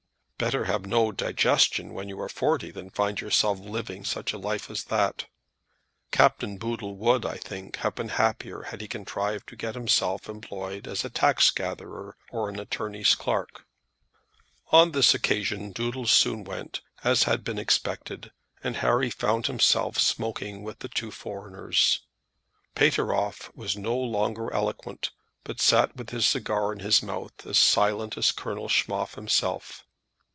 Better have no digestion when you are forty than find yourself living such a life as that! Captain Boodle would, I think, have been happier had he contrived to get himself employed as a tax gatherer or an attorney's clerk. On this occasion Doodles soon went, as had been expected, and Harry found himself smoking with the two foreigners. Pateroff was no longer eloquent, but sat with his cigar in his mouth as silent as Colonel Schmoff himself.